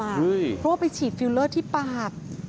เพราะว่าไปฉีดฟิลเลอร์ที่ปาก